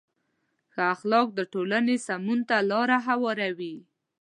ښه اخلاق د ټولنې سمون ته لاره هواروي.